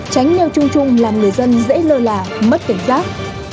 tránh leo chung chung làm người dân dễ lơ là mất cảnh giác